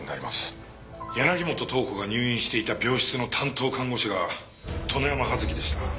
柳本塔子が入院していた病室の担当看護師が殿山葉月でした。